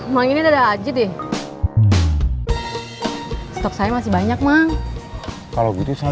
mainin ada aja deh stok saya masih banyak mang kalau gitu saya